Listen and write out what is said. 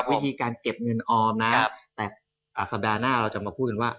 วิธีการเก็บเงินออมนะแต่สัปดาห์หน้าเราจะมาพูดกันว่า